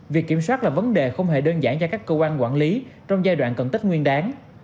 việc kiểm soát là vấn đề không hề đơn giản cho các cơ quan quản lý trong giai đoạn cần tích nguyên đáng